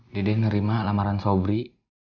dede ngerima lamaran sobri